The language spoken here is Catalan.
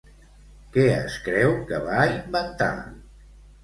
Què es creu que va inventar?